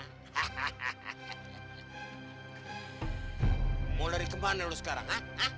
mulai kemana lu sekarang